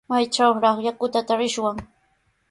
¿Maytrawraq yakuta tarishwan?